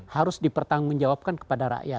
harus dipertanggung jawabkan kepada rakyat